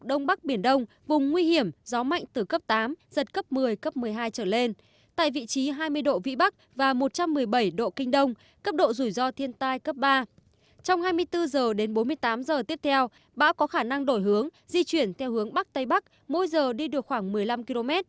dự báo trong hai mươi bốn giờ tới bão di chuyển theo hướng tây bắc mỗi giờ đi được khoảng một mươi năm km